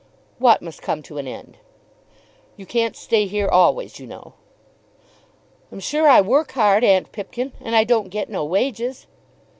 "What must come to an end?" "You can't stay here always, you know." "I'm sure I work hard, Aunt Pipkin, and I don't get no wages."